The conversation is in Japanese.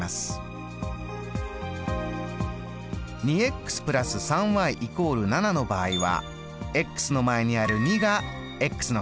２＋３＝７の場合はの前にある２がの係数。